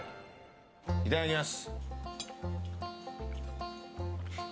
いただきます。